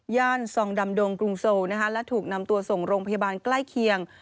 ย่านซองดำดงกรุงโซลและถูกนำตัวส่งโรงพยาบาลใกล้เคียง